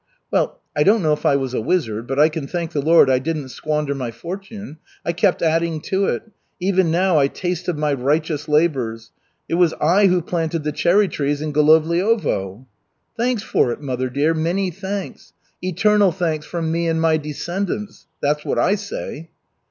"Well, I don't know if I was a wizard, but I can thank the Lord, I didn't squander my fortune. I kept adding to it. Even now I taste of my righteous labors. It was I who planted the cherry trees in Golovliovo." "Thanks for it, mother dear, many thanks. Eternal thanks from me and my descendants. That's what I say."